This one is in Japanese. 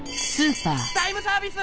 ・タイムサービス！